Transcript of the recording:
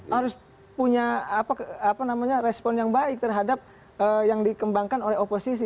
harus punya respon yang baik terhadap yang dikembangkan oleh oposisi